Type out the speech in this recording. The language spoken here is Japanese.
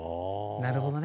なるほどね。